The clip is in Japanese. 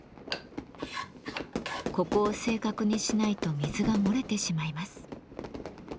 ここを正確にしないと水が漏れてしまいます。